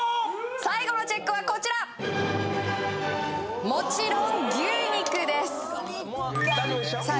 最後のＣＨＥＣＫはこちらもちろん牛肉ですさあ